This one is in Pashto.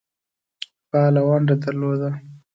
فعاله ونډه درلوده.